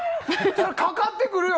かかってくるよ！